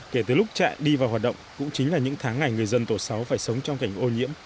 kể từ lúc trại đi vào hoạt động cũng chính là những tháng ngày người dân tổ sáu phải sống trong cảnh ô nhiễm